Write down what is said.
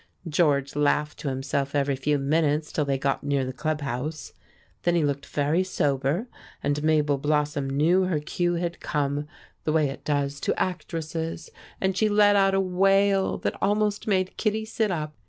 George laughed to himself every few minutes till they got near the club house. Then he looked very sober, and Mabel Blossom knew her cue had come, the way it does to actresses, and she let out a wail that almost made Kittie sit up.